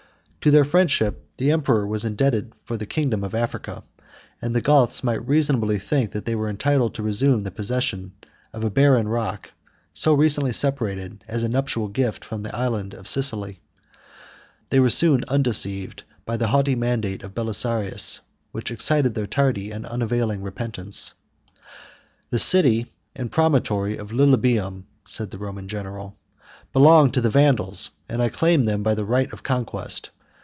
To their friendship the emperor was indebted for the kingdom of Africa, and the Goths might reasonably think, that they were entitled to resume the possession of a barren rock, so recently separated as a nuptial gift from the island of Sicily. They were soon undeceived by the haughty mandate of Belisarius, which excited their tardy and unavailing repentance. "The city and promontory of Lilybæum," said the Roman general, "belonged to the Vandals, and I claim them by the right of conquest.